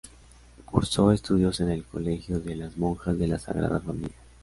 Cursó estudios en el colegio de las Monjas de la Sagrada Familia.